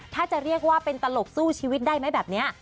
ถ้าจะเรียกว่าเป็นตลกสู้ชีวิตได้ไหมแบบนี้